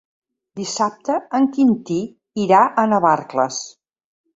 Dissabte en Quintí irà a Navarcles.